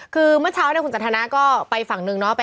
คือเมื่อเช้าคุณสันธนะก็ไปฝั่งนึงเนอะ